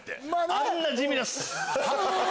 あんな地味なスゥ。